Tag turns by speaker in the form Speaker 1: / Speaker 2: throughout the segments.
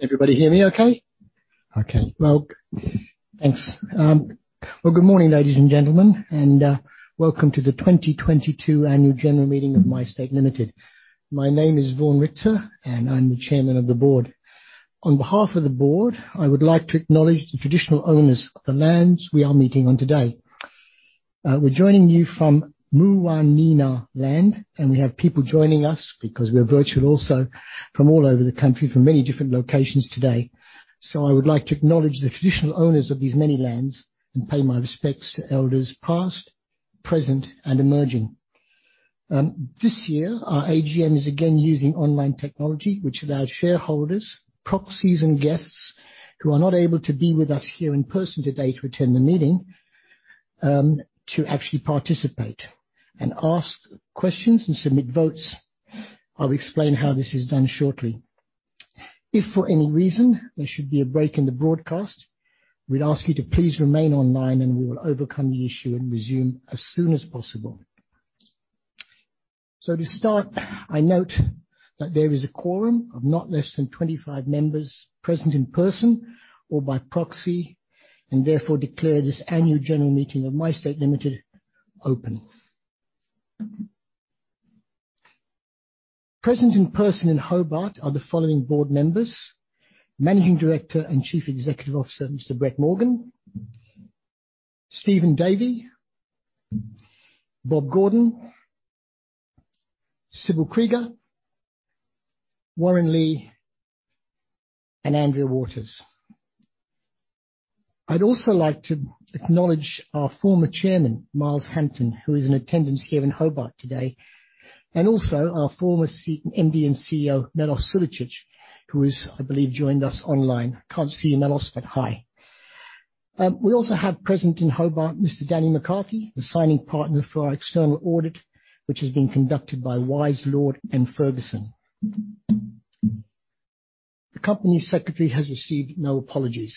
Speaker 1: Everybody hear me okay? Okay. Well, thanks. Well, good morning, ladies and gentlemen, and welcome to the 2022 annual general meeting of MyState Limited. My name is Vaughn Richtor, and I'm the Chairman of the board. On behalf of the board, I would like to acknowledge the traditional owners of the lands we are meeting on today. We're joining you from Muwinina land, and we have people joining us, because we're virtual also, from all over the country from many different locations today. I would like to acknowledge the traditional owners of these many lands and pay my respects to elders past, present, and emerging. This year, our AGM is again using online technology, which allows shareholders, proxies, and guests who are not able to be with us here in person today to attend the meeting, to actually participate and ask questions and submit votes. I'll explain how this is done shortly. If for any reason there should be a break in the broadcast, we'd ask you to please remain online, and we will overcome the issue and resume as soon as possible. To start, I note that there is a quorum of not less than 25 members present in person or by proxy, and therefore declare this annual general meeting of MyState Limited open. Present in person in Hobart are the following board members: Managing Director and Chief Executive Officer, Mr. Brett Morgan, Steven Davey, Bob Gordon, Sibylle Krieger, Warren Lee, and Andrea Waters. I'd also like to acknowledge our former chairman, Miles Hampton, who is in attendance here in Hobart today, and also our former MD and CEO, Melos Sulicich, who has, I believe, joined us online. I can't see you, Melos, but hi. We also have present in Hobart, Mr. Danny McCarthy, the signing partner for our external audit, which is being conducted by Wise Lord & Ferguson. The company secretary has received no apologies.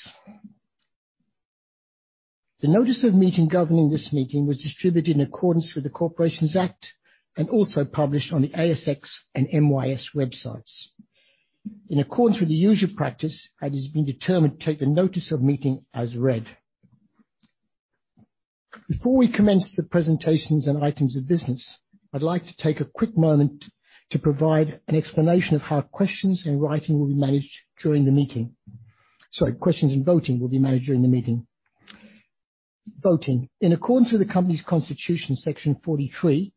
Speaker 1: The notice of meeting governing this meeting was distributed in accordance with the Corporations Act and also published on the ASX and MYS websites. In accordance with the usual practice, it has been determined to take the notice of meeting as read. Before we commence the presentations and items of business, I'd like to take a quick moment to provide an explanation of how questions and voting will be managed during the meeting. Sorry. Questions and voting will be managed during the meeting. Voting. In accordance with the company's constitution section 43,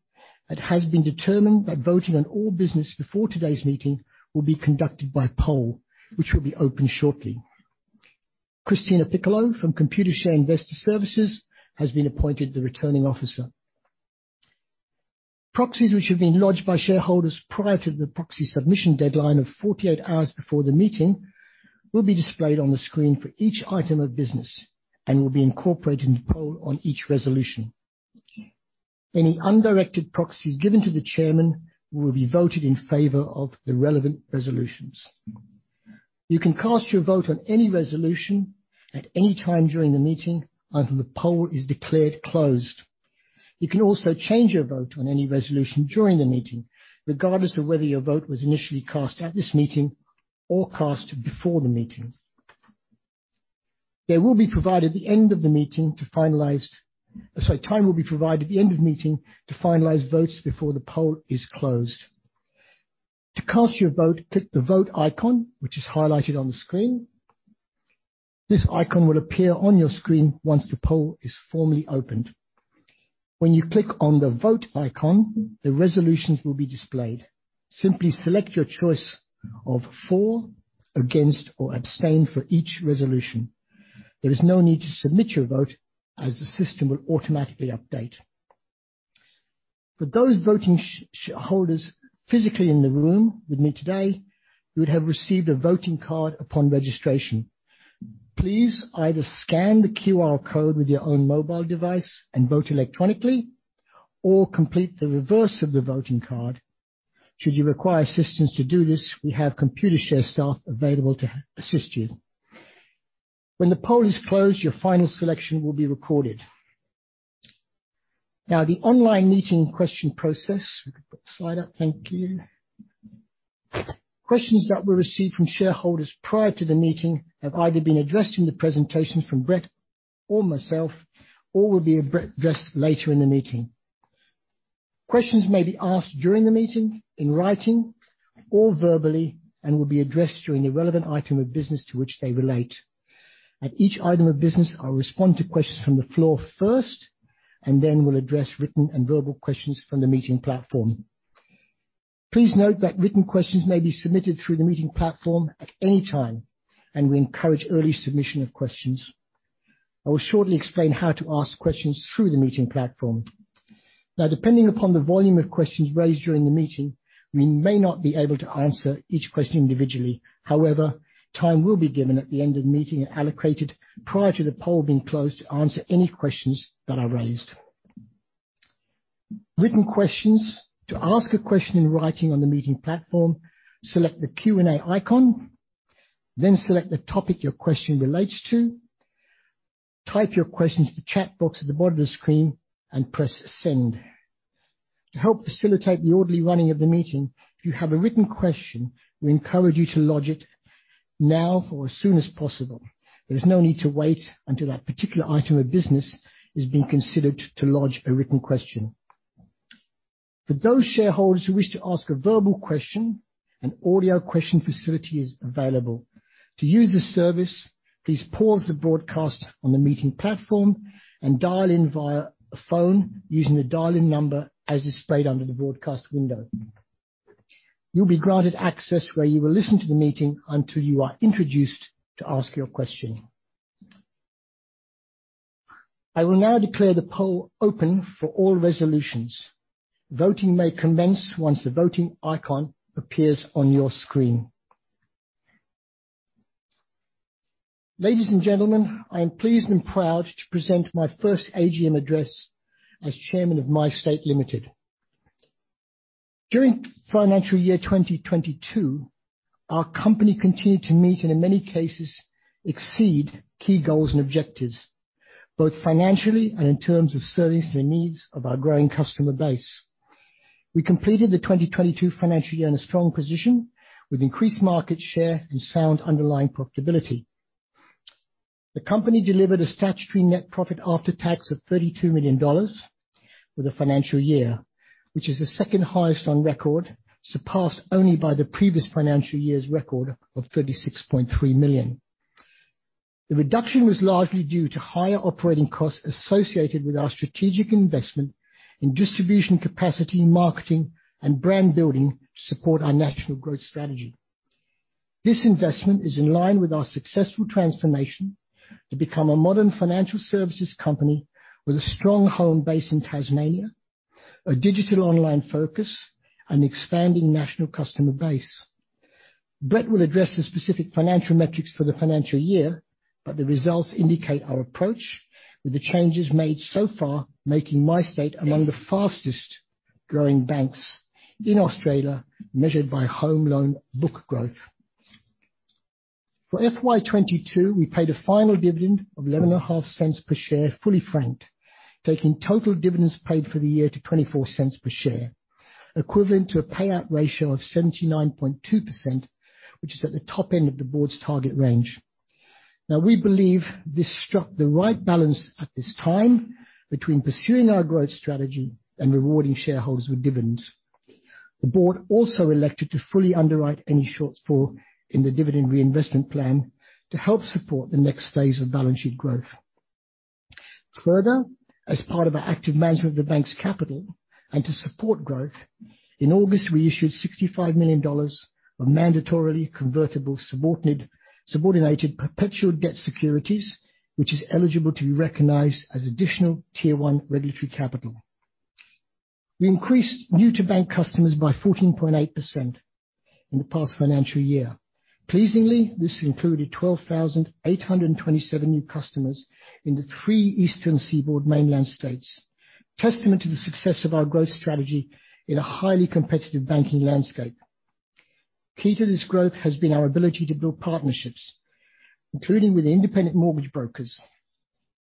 Speaker 1: it has been determined that voting on all business before today's meeting will be conducted by poll, which will be open shortly. Christina Piccolo from Computershare Investor Services has been appointed the Returning Officer. Proxies which have been lodged by shareholders prior to the proxy submission deadline of 48 hours before the meeting will be displayed on the screen for each item of business and will be incorporated into poll on each resolution. Any undirected proxies given to the chairman will be voted in favor of the relevant resolutions. You can cast your vote on any resolution at any time during the meeting until the poll is declared closed. You can also change your vote on any resolution during the meeting, regardless of whether your vote was initially cast at this meeting or cast before the meeting. Time will be provided at the end of the meeting to finalize votes before the poll is closed. To cast your vote, click the Vote icon, which is highlighted on the screen. This icon will appear on your screen once the poll is formally opened. When you click on the Vote icon, the resolutions will be displayed. Simply select your choice of for, against, or abstain for each resolution. There is no need to submit your vote as the system will automatically update. For those voting shareholders physically in the room with me today, you'd have received a voting card upon registration. Please either scan the QR code with your own mobile device and vote electronically or complete the reverse of the voting card. Should you require assistance to do this, we have Computershare staff available to assist you. When the poll is closed, your final selection will be recorded. Now, the online meeting question process. We can put the slide up. Thank you. Questions that were received from shareholders prior to the meeting have either been addressed in the presentation from Brett or myself or will be addressed later in the meeting. Questions may be asked during the meeting in writing or verbally, and will be addressed during the relevant item of business to which they relate. At each item of business, I'll respond to questions from the floor first, and then we'll address written and verbal questions from the meeting platform. Please note that written questions may be submitted through the meeting platform at any time, and we encourage early submission of questions. I will shortly explain how to ask questions through the meeting platform. Now, depending upon the volume of questions raised during the meeting, we may not be able to answer each question individually. However, time will be given at the end of the meeting and allocated prior to the poll being closed to answer any questions that are raised. Written questions. To ask a question in writing on the meeting platform, select the Q&A icon, then select the topic your question relates to. Type your question to the chat box at the bottom of the screen and press Send. To help facilitate the orderly running of the meeting, if you have a written question, we encourage you to lodge it now or as soon as possible. There is no need to wait until that particular item of business is being considered to lodge a written question. For those shareholders who wish to ask a verbal question, an audio question facility is available. To use the service, please pause the broadcast on the meeting platform and dial in via a phone using the dial-in number as displayed under the broadcast window. You'll be granted access where you will listen to the meeting until you are introduced to ask your question. I will now declare the poll open for all resolutions. Voting may commence once the voting icon appears on your screen. Ladies and gentlemen, I am pleased and proud to present my first AGM address as Chairman of MyState Limited. During financial year 2022, our company continued to meet, and in many cases, exceed key goals and objectives, both financially and in terms of servicing the needs of our growing customer base. We completed the 2022 financial year in a strong position, with increased market share and sound underlying profitability. The company delivered a statutory net profit after tax of 32 million dollars for the financial year, which is the second highest on record, surpassed only by the previous financial year's record of 36.3 million. The reduction was largely due to higher operating costs associated with our strategic investment in distribution capacity, marketing, and brand building to support our national growth strategy. This investment is in line with our successful transformation to become a modern financial services company with a strong home base in Tasmania, a digital online focus, and expanding national customer base. Brett will address the specific financial metrics for the financial year, but the results indicate our approach, with the changes made so far, making MyState among the fastest-growing banks in Australia, measured by home loan book growth. For FY 2022, we paid a final dividend of 0.115 per share, fully franked, taking total dividends paid for the year to 0.24 per share, equivalent to a payout ratio of 79.2%, which is at the top end of the board's target range. Now, we believe this struck the right balance at this time between pursuing our growth strategy and rewarding shareholders with dividends. The board also elected to fully underwrite any shortfall in the dividend reinvestment plan to help support the next phase of balance sheet growth. Further, as part of our active management of the bank's capital and to support growth, in August, we issued $65 million of mandatorily convertible subordinated perpetual debt securities, which is eligible to be recognized as additional Tier 1 regulatory capital. We increased new to bank customers by 14.8% in the past financial year. Pleasingly, this included 12,827 new customers in the three Eastern Seaboard mainland states, testament to the success of our growth strategy in a highly competitive banking landscape. Key to this growth has been our ability to build partnerships, including with independent mortgage brokers.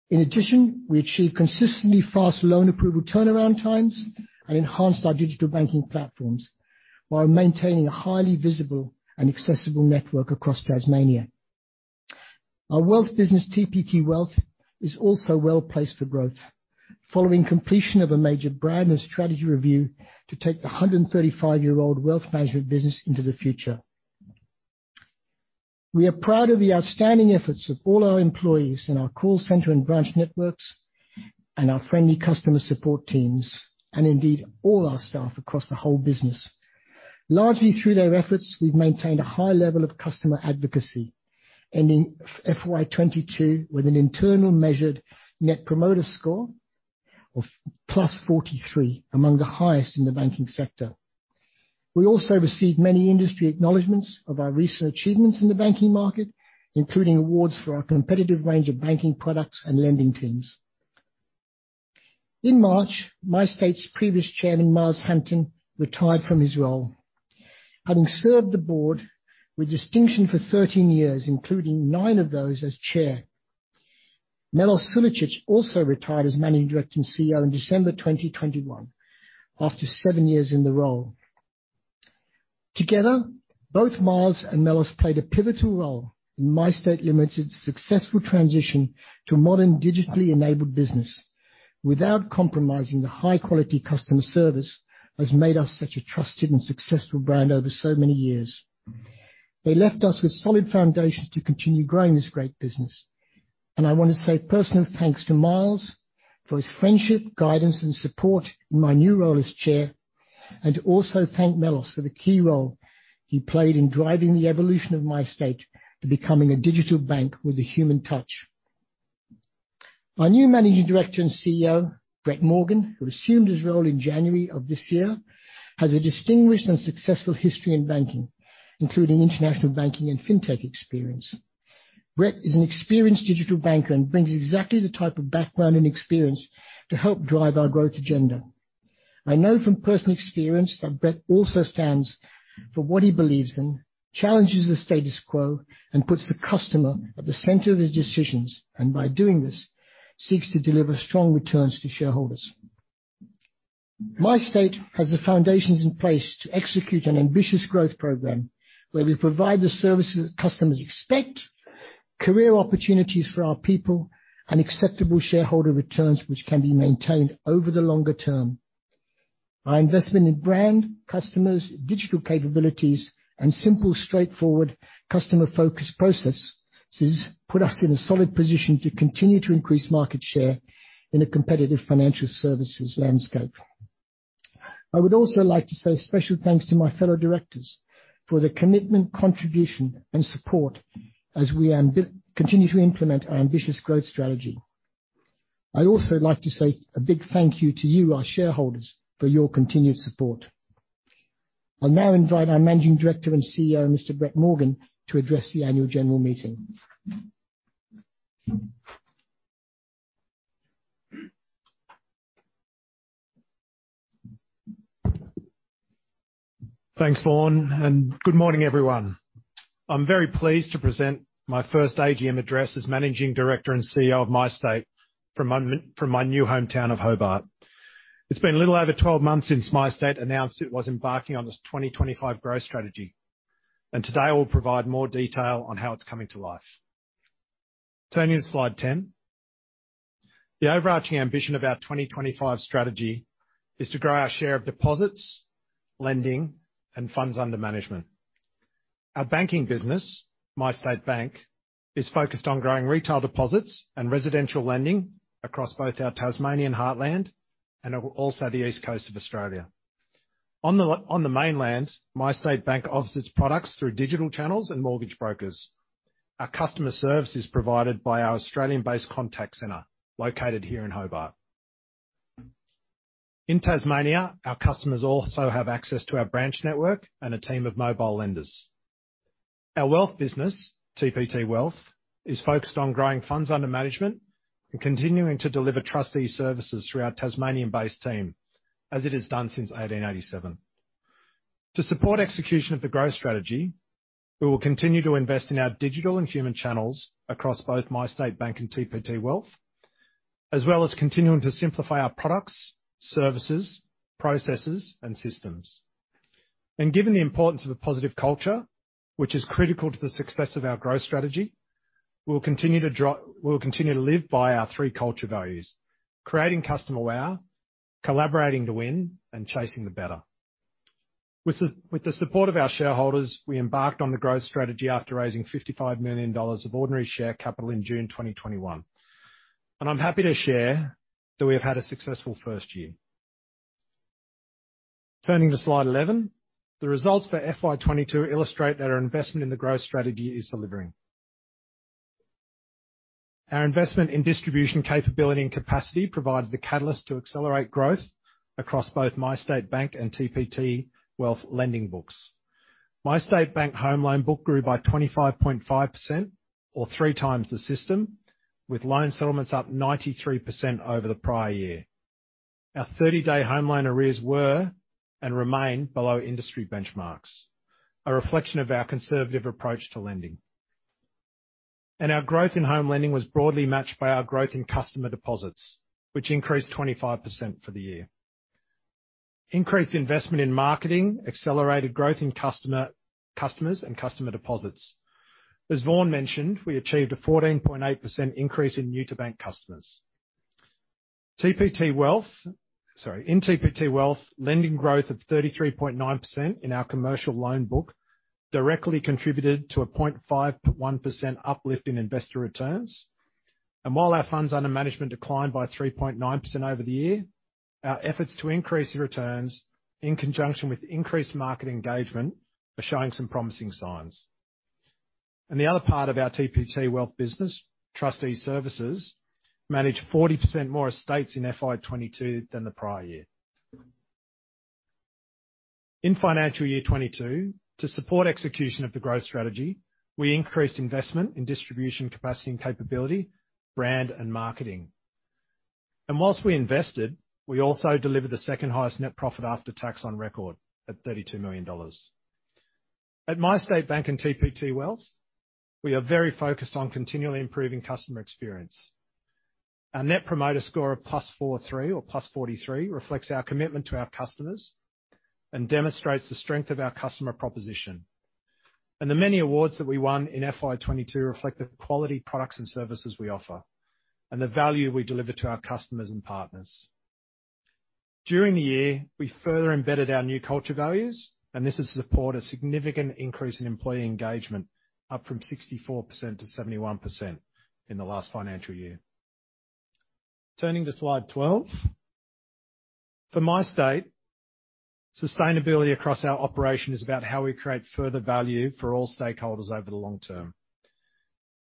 Speaker 1: In addition, we achieved consistently fast loan approval turnaround times and enhanced our digital banking platforms while maintaining a highly visible and accessible network across Tasmania. Our wealth business, TPT Wealth, is also well-placed for growth following completion of a major brand and strategy review to take the 135-year old wealth management business into the future. We are proud of the outstanding efforts of all our employees in our call center and branch networks and our friendly customer support teams, and indeed, all our staff across the whole business. Largely through their efforts, we've maintained a high level of customer advocacy, ending FY 2022 with an internal measured Net Promoter Score of +43, among the highest in the banking sector. We also received many industry acknowledgements of our recent achievements in the banking market, including awards for our competitive range of banking products and lending teams. In March, MyState's previous chairman, Miles Hampton, retired from his role, having served the board with distinction for 13 years, including 9 of those as chair. Melos Sulicich also retired as managing director and CEO in December 2021 after seven years in the role. Together, both Miles and Melos played a pivotal role in MyState Limited's successful transition to a modern digitally-enabled business without compromising the high-quality customer service that has made us such a trusted and successful brand over so many years. They left us with solid foundations to continue growing this great business. I want to say personal thanks to Miles for his friendship, guidance, and support in my new role as Chair, and to also thank Melos for the key role he played in driving the evolution of MyState to becoming a digital bank with a human touch. Our new Managing Director and CEO, Brett Morgan, who assumed his role in January of this year, has a distinguished and successful history in banking, including international banking and fintech experience. Brett is an experienced digital banker and brings exactly the type of background and experience to help drive our growth agenda. I know from personal experience that Brett also stands for what he believes in, challenges the status quo, and puts the customer at the center of his decisions, and by doing this, seeks to deliver strong returns to shareholders. MyState has the foundations in place to execute an ambitious growth program where we provide the services customers expect, career opportunities for our people, and acceptable shareholder returns which can be maintained over the longer term. Our investment in brand, customers, digital capabilities, and simple, straightforward customer focus process has put us in a solid position to continue to increase market share in a competitive financial services landscape. I would also like to say special thanks to my fellow directors for their commitment, contribution, and support as we continue to implement our ambitious growth strategy. I'd also like to say a big thank you to you, our shareholders, for your continued support. I'll now invite our Managing Director and CEO, Mr. Brett Morgan, to address the annual general meeting.
Speaker 2: Thanks, Vaughn, and good morning, everyone. I'm very pleased to present my first AGM address as managing director and CEO of MyState from my new hometown of Hobart. It's been a little over 12 months since MyState announced it was embarking on this 2025 growth strategy, and today I will provide more detail on how it's coming to life. Turning to slide 10. The overarching ambition of our 2025 strategy is to grow our share of deposits, lending, and funds under management. Our banking business, MyState Bank, is focused on growing retail deposits and residential lending across both our Tasmanian heartland and also the east coast of Australia. On the mainland, MyState Bank offers its products through digital channels and mortgage brokers. Our customer service is provided by our Australian-based contact center located here in Hobart. In Tasmania, our customers also have access to our branch network and a team of mobile lenders. Our wealth business, TPT Wealth, is focused on growing funds under management and continuing to deliver trustee services through our Tasmanian-based team, as it has done since 1887. To support execution of the growth strategy, we will continue to invest in our digital and human channels across both MyState Bank and TPT Wealth, as well as continuing to simplify our products, services, processes, and systems. Given the importance of a positive culture, which is critical to the success of our growth strategy, we'll continue to live by our three culture values, creating customer wow, collaborating to win, and chasing the better. With the support of our shareholders, we embarked on the growth strategy after raising 55 million dollars of ordinary share capital in June 2021. I'm happy to share that we have had a successful first year. Turning to slide 11. The results for FY 2022 illustrate that our investment in the growth strategy is delivering. Our investment in distribution capability and capacity provided the catalyst to accelerate growth across both MyState Bank and TPT Wealth lending books. MyState Bank home loan book grew by 25.5% or three times the system, with loan settlements up 93% over the prior year. Our 30-day home loan arrears were and remain below industry benchmarks, a reflection of our conservative approach to lending. Our growth in home lending was broadly matched by our growth in customer deposits, which increased 25% for the year. Increased investment in marketing accelerated growth in customers and customer deposits. As Vaughn mentioned, we achieved a 14.8% increase in new-to-bank customers. In TPT Wealth, lending growth of 33.9% in our commercial loan book directly contributed to a 0.51% uplift in investor returns. While our funds under management declined by 3.9% over the year, our efforts to increase the returns in conjunction with increased market engagement are showing some promising signs. The other part of our TPT Wealth business, Trustee Services, managed 40% more estates in FY 2022 than the prior year. In financial year 2022, to support execution of the growth strategy, we increased investment in distribution capacity and capability, brand and marketing. While we invested, we also delivered the second-highest net profit after tax on record at 32 million dollars. At MyState Bank and TPT Wealth, we are very focused on continually improving customer experience. Our Net Promoter Score of +43 or +43 reflects our commitment to our customers and demonstrates the strength of our customer proposition. The many awards that we won in FY 2022 reflect the quality products and services we offer and the value we deliver to our customers and partners. During the year, we further embedded our new culture values, and this has supported a significant increase in employee engagement, up from 64% to 71% in the last financial year. Turning to slide 12. For MyState, sustainability across our operation is about how we create further value for all stakeholders over the long term.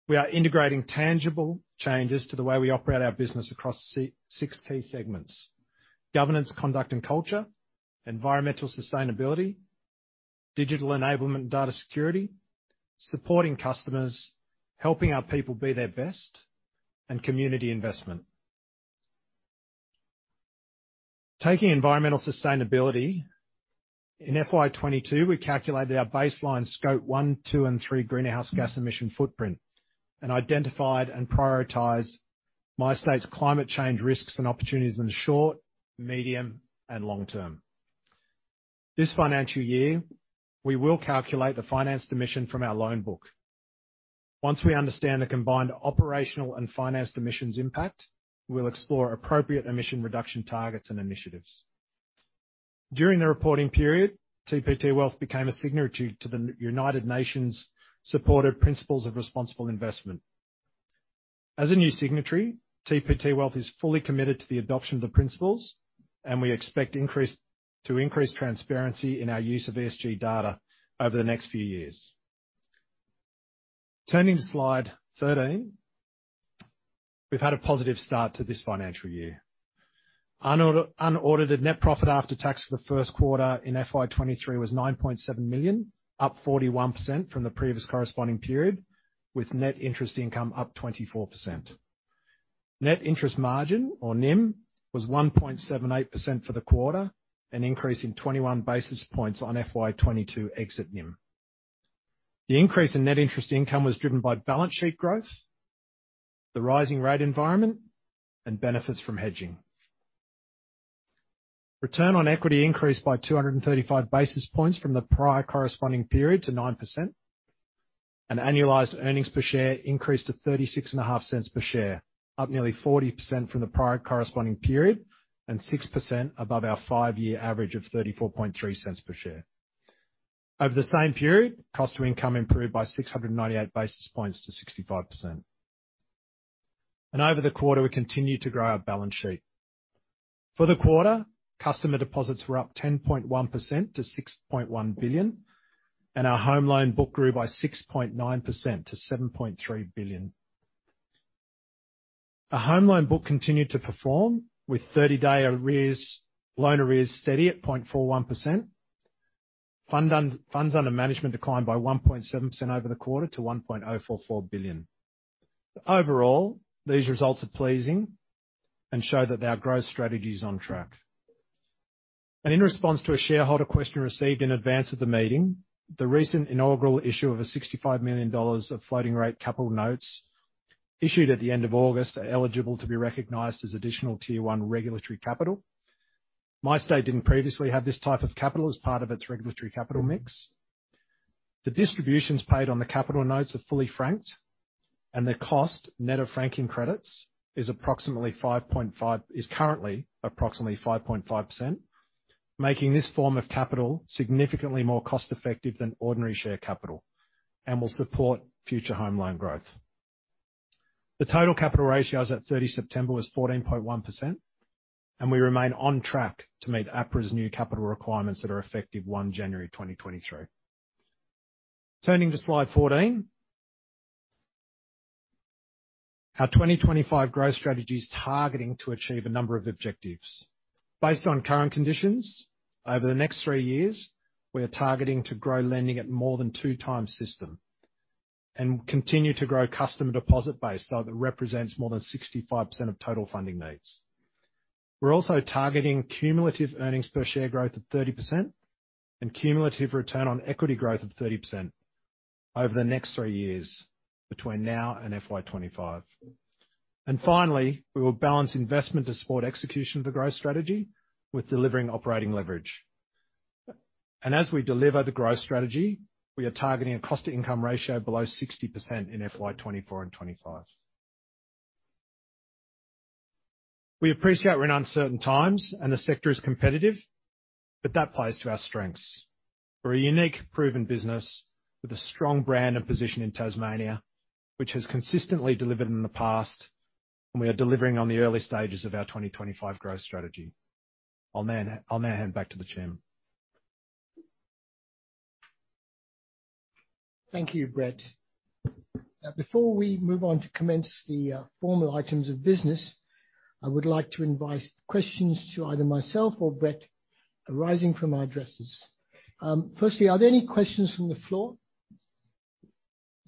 Speaker 2: We are integrating tangible changes to the way we operate our business across six key segments, governance, conduct, and culture, environmental sustainability, digital enablement and data security, supporting customers, helping our people be their best, and community investment. Taking environmental sustainability. In FY 2022, we calculated our baseline scope 1, 2, and 3 greenhouse gas emission footprint and identified and prioritized MyState's climate change risks and opportunities in the short, medium, and long term. This financial year, we will calculate the financed emissions from our loan book. Once we understand the combined operational and financed emissions impact, we'll explore appropriate emission reduction targets and initiatives. During the reporting period, TPT Wealth became a signatory to the United Nations-supported Principles for Responsible Investment. As a new signatory, TPT Wealth is fully committed to the adoption of the principles, and we expect to increase transparency in our use of ESG data over the next few years. Turning to slide 13. We've had a positive start to this financial year. Unaudited net profit after tax for the first quarter in FY 2023 was 9.7 million, up 41% from the previous corresponding period, with net interest income up 24%. Net interest margin, or NIM, was 1.78% for the quarter, an increase in 21 basis points on FY 2022 exit NIM. The increase in net interest income was driven by balance sheet growth, the rising rate environment, and benefits from hedging. Return on equity increased by 235 basis points from the prior corresponding period to 9%, and annualized earnings per share increased to 36.5 per share, up nearly 40% from the prior corresponding period and 6% above our 5-year average of 34.3 per share. Over the same period, cost of income improved by 698 basis points to 65%. Over the quarter, we continued to grow our balance sheet. For the quarter, customer deposits were up 10.1% to 6.1 billion, and our home loan book grew by 6.9% to 7.3 billion. The home loan book continued to perform, with 30-day loan arrears steady at 0.41%. Funds under management declined by 1.7% over the quarter to 1.044 billion. Overall, these results are pleasing and show that our growth strategy is on track. In response to a shareholder question received in advance of the meeting, the recent inaugural issue of 65 million dollars of floating rate capital notes issued at the end of August are eligible to be recognized as additional Tier 1 regulatory capital. MyState didn't previously have this type of capital as part of its regulatory capital mix. The distributions paid on the capital notes are fully franked, and their cost, net of franking credits, is currently approximately 5.5%, making this form of capital significantly more cost-effective than ordinary share capital and will support future home loan growth. The total capital ratios at 30 September was 14.1%, and we remain on track to meet APRA's new capital requirements that are effective 1 January 2023. Turning to slide 14. Our 2025 growth strategy is targeting to achieve a number of objectives. Based on current conditions, over the next 3 years, we are targeting to grow lending at more than 2x system and continue to grow customer deposit base so that represents more than 65% of total funding needs. We're also targeting cumulative earnings per share growth of 30% and cumulative return on equity growth of 30% over the next 3 years between now and FY 2025. Finally, we will balance investment to support execution of the growth strategy with delivering operating leverage. As we deliver the growth strategy, we are targeting a cost-to-income ratio below 60% in FY 2024 and 2025. We appreciate we're in uncertain times, and the sector is competitive, but that plays to our strengths. We're a unique, proven business with a strong brand and position in Tasmania, which has consistently delivered in the past, and we are delivering on the early stages of our 2025 growth strategy. I'll now hand back to the chairman.
Speaker 1: Thank you, Brett. Now, before we move on to commence the formal items of business, I would like to invite questions to either myself or Brett arising from our addresses. Firstly, are there any questions from the floor?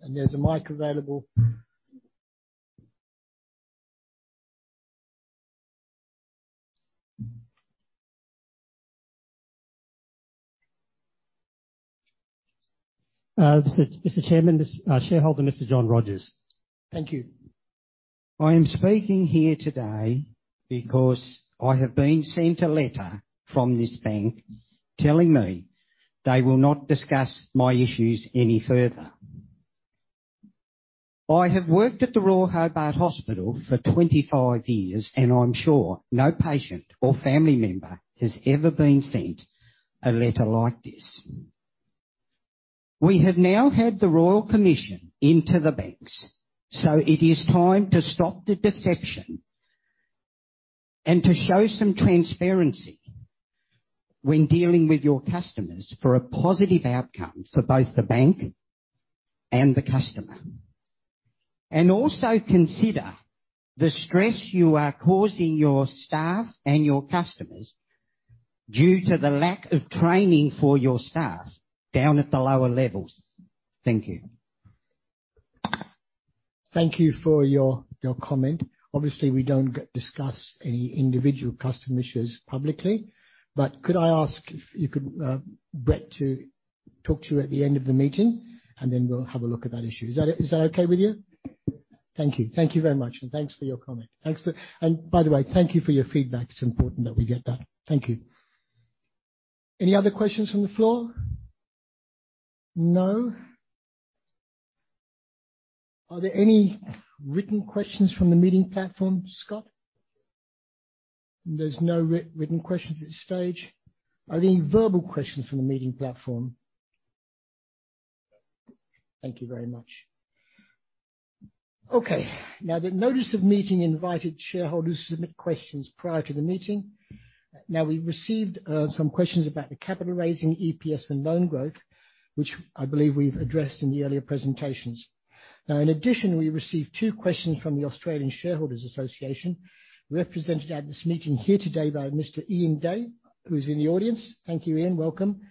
Speaker 1: There's a mic available.
Speaker 3: Mr. Chairman, this shareholder, Mr. John Rogers.
Speaker 1: Thank you.
Speaker 3: I am speaking here today because I have been sent a letter from this bank telling me they will not discuss my issues any further. I have worked at the Royal Hobart Hospital for 25 years, and I'm sure no patient or family member has ever been sent a letter like this. We have now had the Royal Commission into the banks, so it is time to stop the deception and to show some transparency when dealing with your customers for a positive outcome for both the bank and the customer. Also consider the stress you are causing your staff and your customers due to the lack of training for your staff down at the lower levels. Thank you.
Speaker 1: Thank you for your comment. Obviously, we don't discuss any individual customer issues publicly. But could I ask if you could, Brett to talk to you at the end of the meeting, and then we'll have a look at that issue. Is that okay with you? Thank you. Thank you very much, and thanks for your comment. By the way, thank you for your feedback. It's important that we get that. Thank you. Any other questions from the floor? No. Are there any written questions from the meeting platform, Scott? There's no written questions at this stage. Are there any verbal questions from the meeting platform? Thank you very much. Okay. Now, the notice of meeting invited shareholders to submit questions prior to the meeting. Now, we received some questions about the capital raising, EPS, and loan growth, which I believe we've addressed in the earlier presentations. Now, in addition, we received two questions from the Australian Shareholders' Association, represented at this meeting here today by Mr. Ian Day, who is in the audience. Thank you, Ian. Welcome.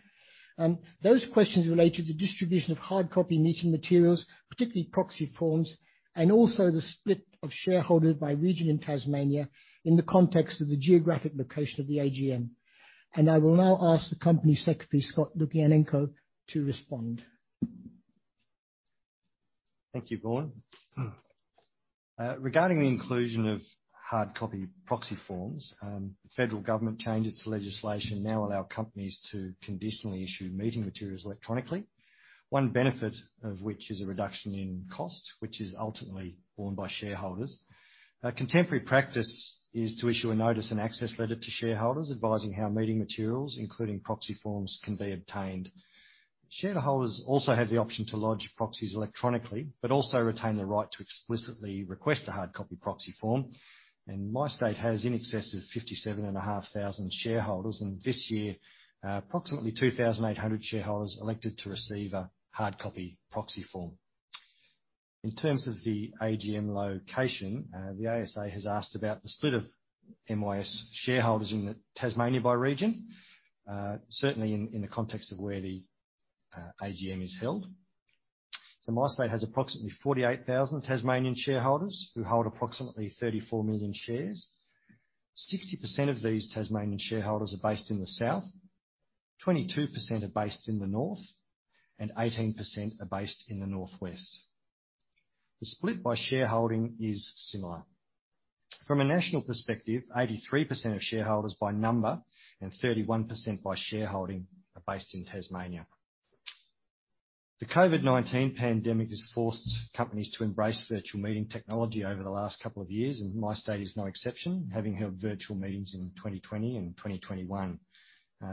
Speaker 1: Those questions relate to the distribution of hard copy meeting materials, particularly proxy forms, and also the split of shareholders by region in Tasmania in the context of the geographic location of the AGM. I will now ask the company secretary, Scott Lukianenko, to respond.
Speaker 4: Thank you, Vaughn. Regarding the inclusion of hard copy proxy forms, federal government changes to legislation now allow companies to conditionally issue meeting materials electronically. One benefit of which is a reduction in cost, which is ultimately borne by shareholders. A contemporary practice is to issue a notice and access letter to shareholders advising how meeting materials, including proxy forms, can be obtained. Shareholders also have the option to lodge proxies electronically, but also retain the right to explicitly request a hard copy proxy form. MyState has in excess of 57,500 shareholders. This year, approximately 2,800 shareholders elected to receive a hard copy proxy form. In terms of the AGM location, the ASA has asked about the split of MYS shareholders in Tasmania by region, certainly in the context of where the AGM is held. MyState has approximately 48,000 Tasmanian shareholders who hold approximately 34,000,000 shares. 60% of these Tasmanian shareholders are based in the south, 22% are based in the north, and 18% are based in the northwest. The split by shareholding is similar. From a national perspective, 83% of shareholders by number and 31% by shareholding are based in Tasmania. The COVID-19 pandemic has forced companies to embrace virtual meeting technology over the last couple of years, and MyState is no exception, having held virtual meetings in 2020 and 2021.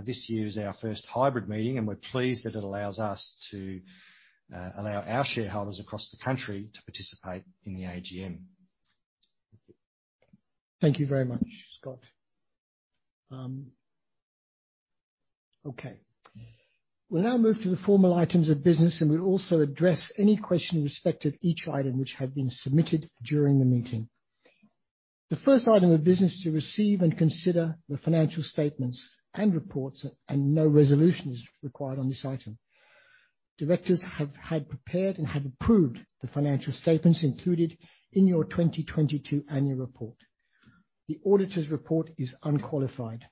Speaker 4: This year is our first hybrid meeting, and we're pleased that it allows us to allow our shareholders across the country to participate in the AGM.
Speaker 1: Thank you very much, Scott. Okay. We'll now move to the formal items of business, and we'll also address any question in respect of each item which have been submitted during the meeting. The first item of business is to receive and consider the financial statements and reports, and no resolution is required on this item. Directors have had prepared and have approved the financial statements included in your 2022 annual report. The auditor's report is unqualified.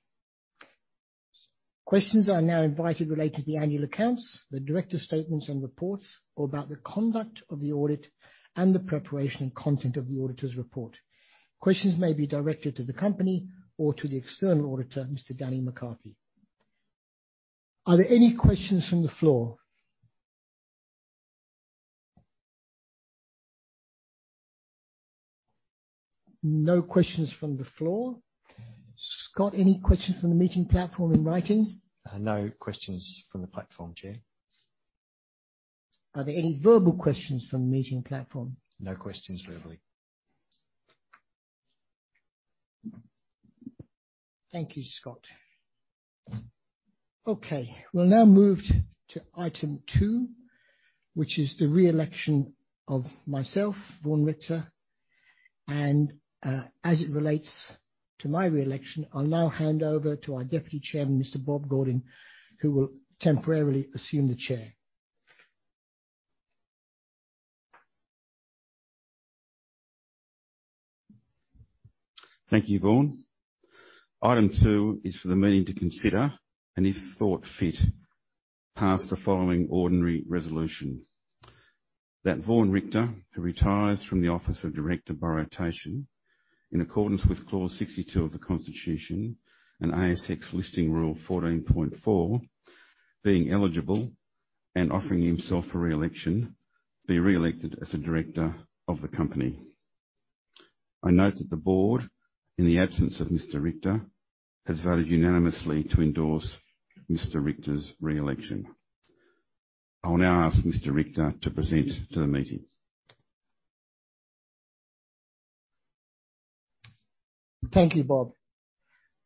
Speaker 1: Questions are now invited related to the annual accounts, the directors' statements and reports or about the conduct of the audit and the preparation and content of the auditor's report. Questions may be directed to the company or to the external auditor, Mr. Danny McCarthy. Are there any questions from the floor? No questions from the floor. Scott, any questions from the meeting platform in writing?
Speaker 4: No questions from the platform, Chair.
Speaker 1: Are there any verbal questions from the meeting platform?
Speaker 4: No questions verbally.
Speaker 1: Thank you, Scott. Okay, we'll now move to item two, which is the re-election of myself, Vaughn Richtor. As it relates to my re-election, I'll now hand over to our Deputy Chairman, Mr. Robert Gordon, who will temporarily assume the chair.
Speaker 5: Thank you, Vaughn. Item two is for the meeting to consider and if thought fit, pass the following ordinary resolution: That Vaughn Richtor, who retires from the office of director by rotation in accordance with Clause 62 of the Constitution and ASX Listing Rule 14.4, being eligible and offering himself for re-election, be re-elected as a director of the company. I note that the board, in the absence of Mr. Richtor, has voted unanimously to endorse Mr. Richtor's re-election. I will now ask Mr. Richtor to present to the meeting.
Speaker 1: Thank you, Bob.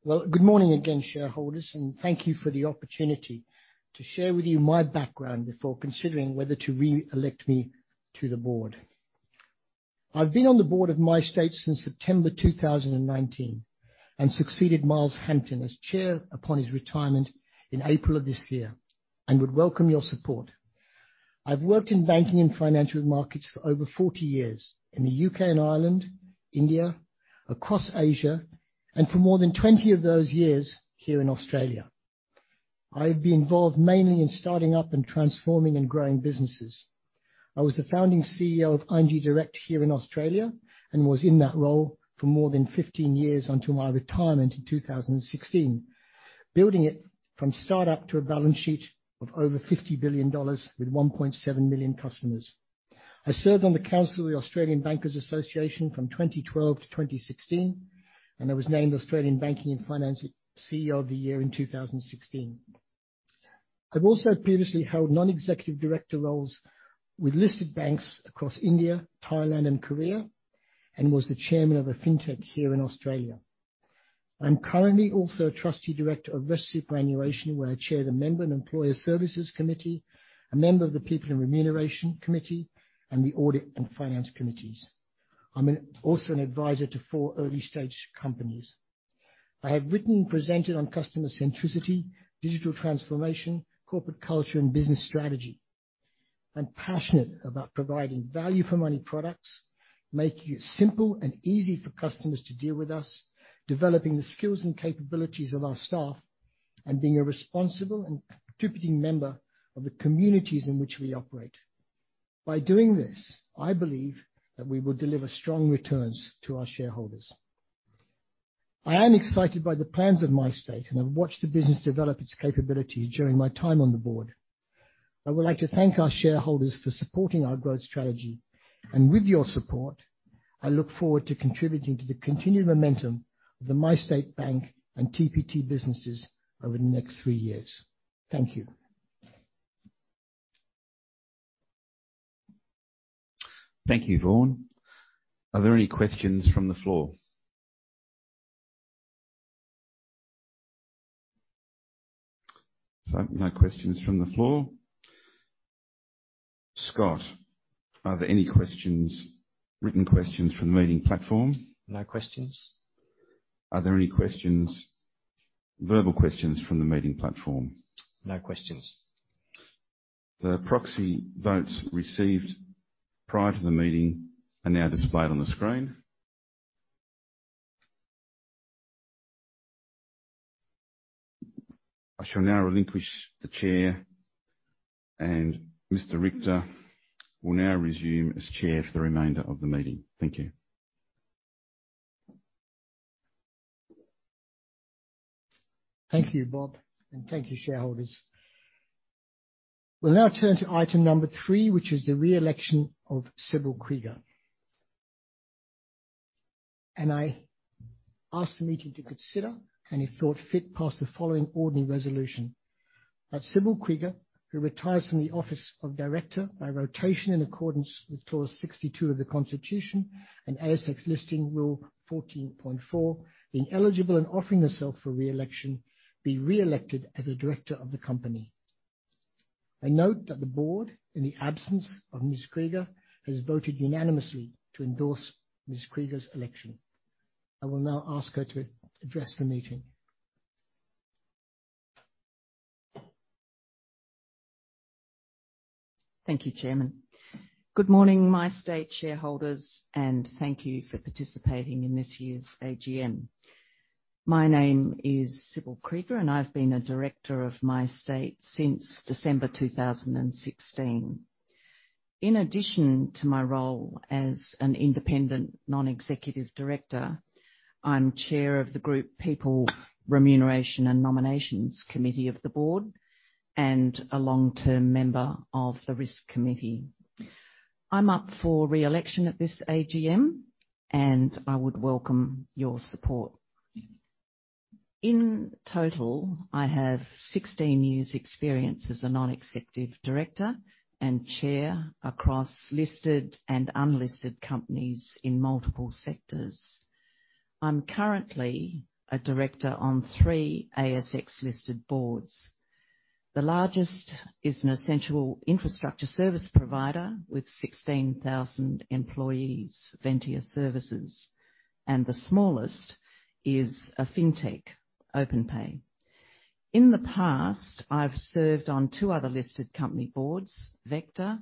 Speaker 1: Well, good morning again, shareholders, and thank you for the opportunity to share with you my background before considering whether to re-elect me to the board. I've been on the board of MyState since September 2019, and succeeded Miles Hampton as chair upon his retirement in April of this year, and would welcome your support. I've worked in banking and financial markets for over 40 years in The U.K and Ireland, India, across Asia, and for more than 20 of those years, here in Australia. I've been involved mainly in starting up and transforming and growing businesses. I was the founding CEO of ING Direct here in Australia, and was in that role for more than 15 years until my retirement in 2016, building it from start-up to a balance sheet of over 50 billion dollars with 1.7 million customers. I served on the Council of the Australian Banking Association from 2012 to 2016, and I was named Australian Banking & Finance CEO of the Year in 2016. I've also previously held non-executive director roles with listed banks across India, Thailand, and Korea, and was the chairman of a fintech here in Australia. I'm currently also a trustee director of Rest Super, where I chair the Member and Employer Services Committee, a member of the People and Remuneration Committee, and the Audit and Finance Committees. I'm also an advisor to four early-stage companies. I have written and presented on customer centricity, digital transformation, corporate culture, and business strategy. I'm passionate about providing value-for-money products, making it simple and easy for customers to deal with us, developing the skills and capabilities of our staff, and being a responsible and contributing member of the communities in which we operate. By doing this, I believe that we will deliver strong returns to our shareholders. I am excited by the plans of MyState, and I've watched the business develop its capabilities during my time on the board. I would like to thank our shareholders for supporting our growth strategy, and with your support, I look forward to contributing to the continued momentum of the MyState Bank and TPT businesses over the next three years. Thank you.
Speaker 5: Thank you, Vaughn. Are there any questions from the floor? No questions from the floor. Scott, are there any questions, written questions from the meeting platform?
Speaker 4: No questions.
Speaker 5: Are there any questions, verbal questions from the meeting platform?
Speaker 4: No questions.
Speaker 5: The proxy votes received prior to the meeting are now displayed on the screen. I shall now relinquish the chair, and Mr. Richtor will now resume as chair for the remainder of the meeting. Thank you.
Speaker 1: Thank you, Bob, and thank you, shareholders. We'll now turn to item number 3, which is the re-election of Sibylle Krieger. I ask the meeting to consider, and if thought fit, pass the following ordinary resolution. That Sibylle Krieger, who retires from the office of Director by rotation in accordance with clause 62 of the Constitution and ASX Listing Rule 14.4, being eligible and offering herself for re-election, be re-elected as a Director of the company. Note that the board, in the absence of Ms. Krieger, has voted unanimously to endorse Ms. Krieger's election. I will now ask her to address the meeting.
Speaker 6: Thank you, Chairman. Good morning, MyState shareholders, and thank you for participating in this year's AGM. My name is Sibylle Krieger, and I've been a director of MyState since December 2016. In addition to my role as an independent non-executive director, I'm Chair of the Group People, Remuneration, and Nominations Committee of the board and a long-term member of the Group Risk Committee. I'm up for re-election at this AGM, and I would welcome your support. In total, I have 16 years' experience as a non-executive director and chair across listed and unlisted companies in multiple sectors. I'm currently a director on three ASX-listed boards. The largest is an essential infrastructure service provider with 16,000 employees, Ventia Services, and the smallest is a fintech, Openpay. In the past, I've served on two other listed company boards, Vector,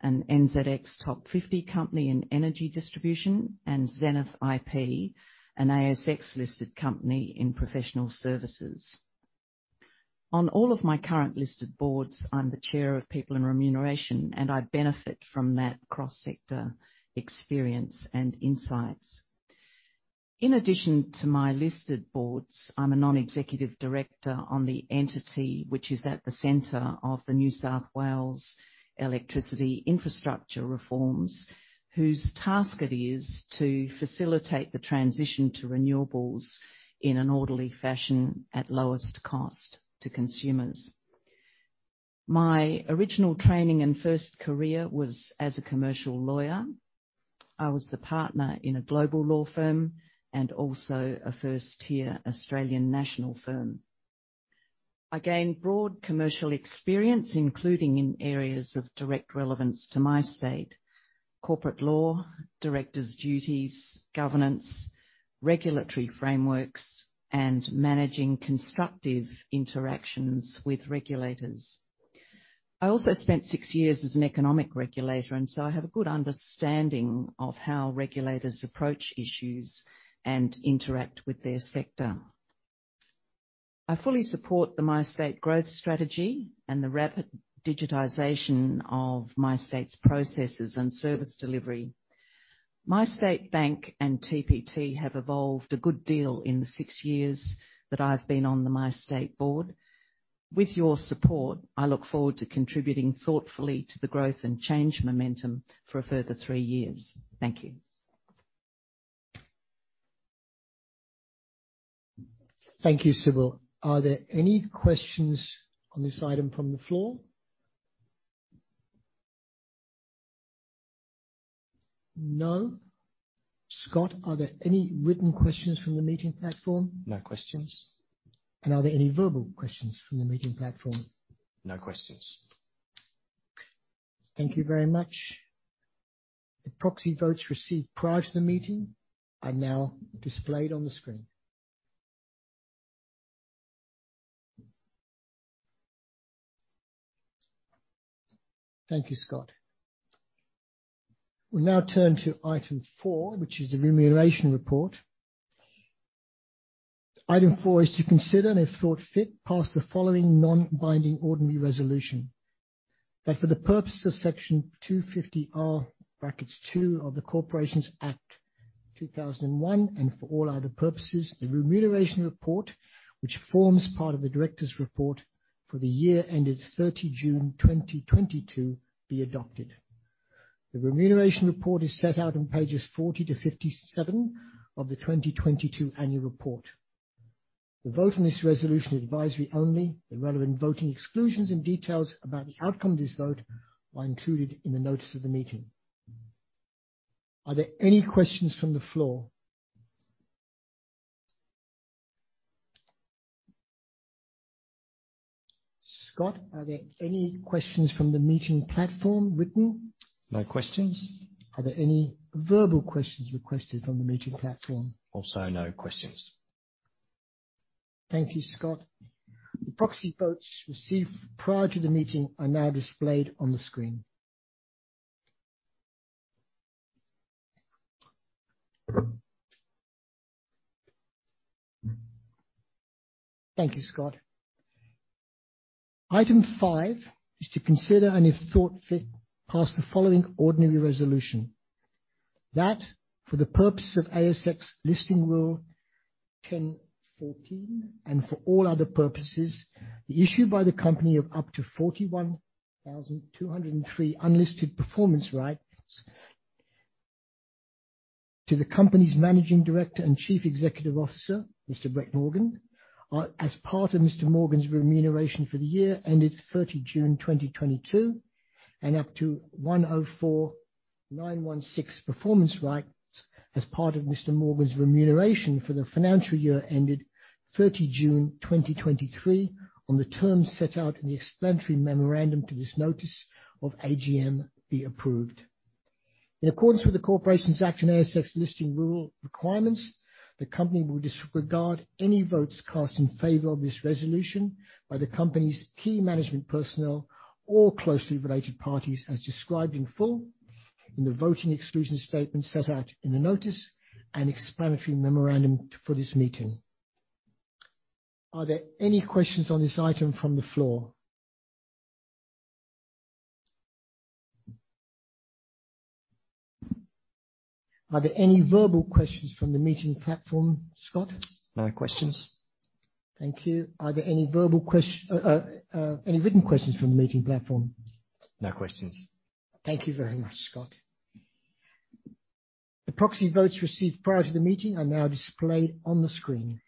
Speaker 6: an NZX top fifty company in energy distribution, and Xenith IP, an ASX-listed company in professional services. On all of my current listed boards, I'm the Chair of People and Remuneration, and I benefit from that cross-sector experience and insights. In addition to my listed boards, I'm a non-executive director on the entity which is at the center of the New South Wales electricity infrastructure reforms, whose task it is to facilitate the transition to renewables in an orderly fashion at lowest cost to consumers. My original training and first career was as a commercial lawyer. I was the partner in a global law firm and also a first tier Australian national firm. I gained broad commercial experience, including in areas of direct relevance to MyState, corporate law, directors' duties, governance, regulatory frameworks, and managing constructive interactions with regulators. I also spent six years as an economic regulator, and so I have a good understanding of how regulators approach issues and interact with their sector. I fully support the MyState growth strategy and the rapid digitization of MyState's processes and service delivery. MyState Bank and TPT have evolved a good deal in the six years that I've been on the MyState board. With your support, I look forward to contributing thoughtfully to the growth and change momentum for a further three years. Thank you.
Speaker 1: Thank you, Sibylle. Are there any questions on this item from the floor? No. Scott, are there any written questions from the meeting platform?
Speaker 4: No questions.
Speaker 1: Are there any verbal questions from the meeting platform?
Speaker 4: No questions.
Speaker 1: Thank you very much. The proxy votes received prior to the meeting are now displayed on the screen. Thank you, Scott. We now turn to item 4, which is the remuneration report. Item 4 is to consider, and if thought fit, pass the following non-binding ordinary resolution. That for the purposes of Section 250R(2) of the Corporations Act 2001, and for all other purposes, the remuneration report, which forms part of the directors' report for the year ended 30 June 2022, be adopted. The remuneration report is set out on pages 40-57 of the 2022 annual report. The vote on this resolution is advisory only. The relevant voting exclusions and details about the outcome of this vote are included in the notice of the meeting. Are there any questions from the floor? Scott, are there any questions from the meeting platform written?
Speaker 4: No questions.
Speaker 1: Are there any verbal questions requested from the meeting platform?
Speaker 4: Also, no questions.
Speaker 1: Thank you, Scott. The proxy votes received prior to the meeting are now displayed on the screen. Thank you, Scott. Item five is to consider, and if thought fit, pass the following ordinary resolution. That for the purposes of ASX Listing Rule 10.14 and for all other purposes, the issue by the company of up to 41,203 unlisted performance rights to the company's Managing Director and Chief Executive Officer, Mr. Brett Morgan, as part of Mr. Morgan's remuneration for the year ended 30 June 2022, and up to 104.916 performance rights as part of Mr. Morgan's remuneration for the financial year ended 30 June 2023, on the terms set out in the explanatory memorandum to this notice of AGM, be approved. In accordance with the Corporations Act and ASX Listing Rule requirements, the company will disregard any votes cast in favor of this resolution by the company's key management personnel or closely related parties, as described in full in the voting exclusion statement set out in the notice and explanatory memorandum for this meeting. Are there any questions on this item from the floor? Are there any verbal questions from the meeting platform, Scott?
Speaker 4: No questions.
Speaker 1: Thank you. Are there any written questions from the meeting platform?
Speaker 4: No questions.
Speaker 1: Thank you very much, Scott. The proxy votes received prior to the meeting are now displayed on the screen.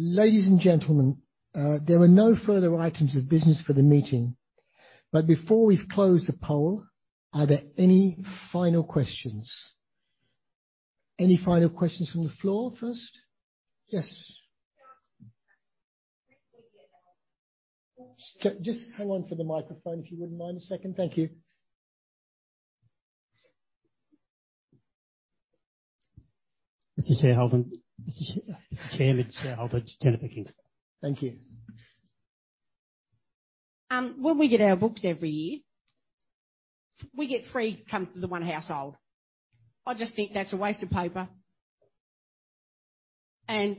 Speaker 1: Ladies and gentlemen, there are no further items of business for the meeting. Before we close the poll, are there any final questions? Any final questions from the floor first? Yes. Just hang on for the microphone, if you wouldn't mind a second. Thank you.
Speaker 7: Mr. Shareholder. Mr. Chairman, shareholder Jennifer King.
Speaker 1: Thank you.
Speaker 8: When we get our books every year, we get three to the one household. I just think that's a waste of paper. I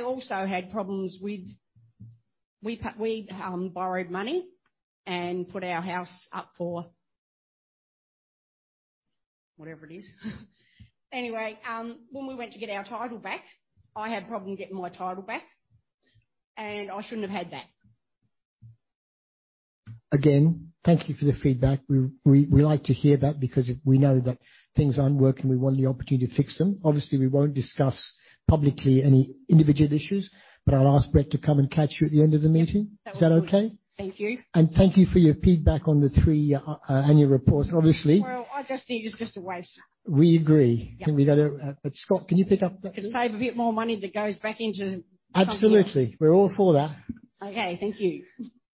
Speaker 8: also had problems with we borrowed money and put our house up for Whatever it is. Anyway, when we went to get our title back, I had a problem getting my title back, and I shouldn't have had that.
Speaker 1: Again, thank you for the feedback. We like to hear that because if we know that things aren't working, we want the opportunity to fix them. Obviously, we won't discuss publicly any individual issues, but I'll ask Brett to come and catch you at the end of the meeting.
Speaker 8: That would be good.
Speaker 1: Is that okay?
Speaker 8: Thank you.
Speaker 1: Thank you for your feedback on the three annual reports. Obviously
Speaker 8: Well, I just think it's just a waste.
Speaker 1: We agree.
Speaker 8: Yeah.
Speaker 1: Scott, can you pick up that, please?
Speaker 8: Could save a bit more money that goes back into something else.
Speaker 1: Absolutely. We're all for that.
Speaker 8: Okay. Thank you.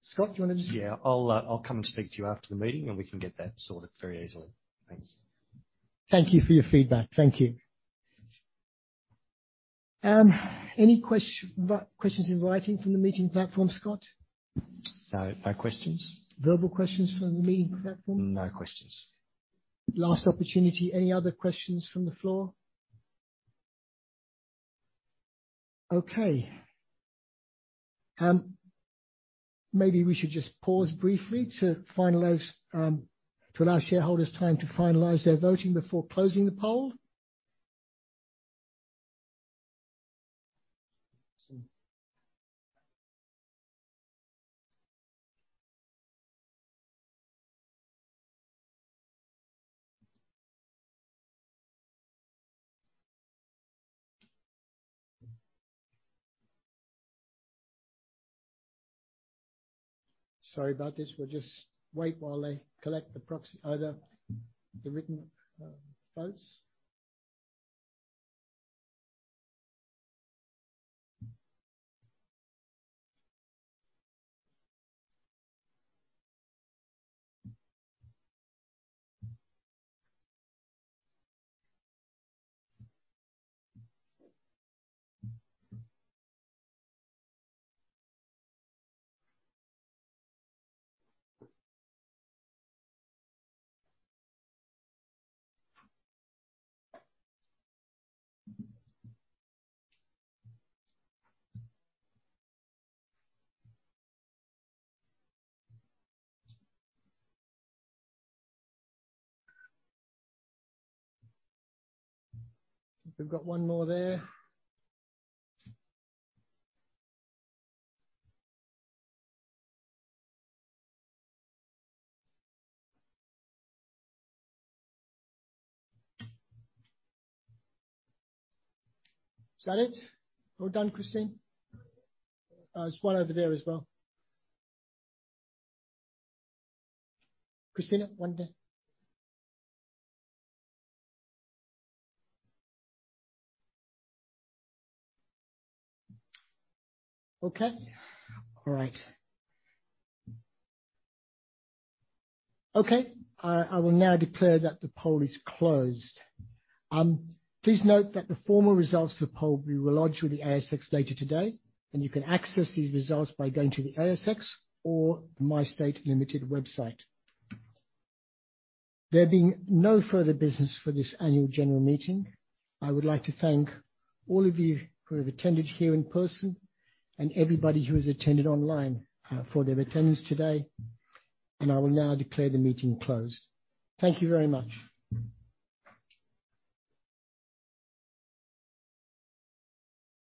Speaker 1: Scott, do you wanna just.
Speaker 4: Yeah. I'll come and speak to you after the meeting, and we can get that sorted very easily. Thanks.
Speaker 1: Thank you for your feedback. Thank you. Any questions in writing from the meeting platform, Scott?
Speaker 4: No. No questions.
Speaker 1: Verbal questions from the meeting platform?
Speaker 4: No questions.
Speaker 1: Last opportunity. Any other questions from the floor? Okay. Maybe we should just pause briefly to finalize, to allow shareholders time to finalize their voting before closing the poll. Sorry about this. We'll just wait while they collect the proxy, the written votes. We've got one more there. Is that it? Well done, Christina. There's one over there as well. Christina, one there. Okay. All right. Okay. I will now declare that the poll is closed. Please note that the formal results of the poll will be lodged with the ASX later today, and you can access these results by going to the ASX or MyState Limited website. There being no further business for this annual general meeting, I would like to thank all of you who have attended here in person and everybody who has attended online, for their attendance today. I will now declare the meeting closed. Thank you very much.